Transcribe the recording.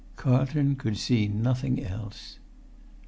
Carlton could see nothing else.